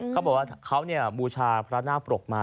เขาบอกว่าเขาบูชาพระนาคปรกมา